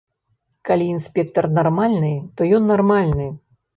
Калі інспектар нармальны, то ён нармальны.